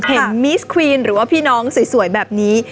มิสควีนหรือว่าพี่น้องสวยแบบนี้